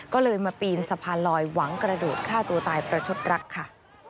ก็เลยมาปีนสะพานลอยหวังกระโดดฆ่าตัวตายประชดรักค่ะ